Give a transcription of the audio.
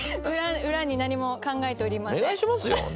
裏に何も考えておりません。